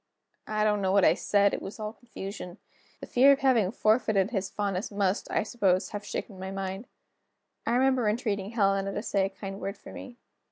I don't know what I said; it was all confusion. The fear of having forfeited his fondness must, I suppose, have shaken my mind. I remember entreating Helena to say a kind word for me.